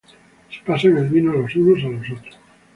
Se pasan el vino los unos a los otros.